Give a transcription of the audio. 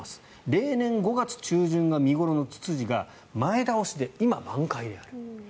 例年５月中旬が見頃のツツジが前倒しで今、満開である。